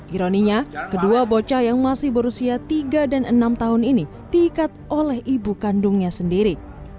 ironinya kedua bocah yang masih berusia tiga dan enam tahun ini diikat oleh ibu kandungnya sendiri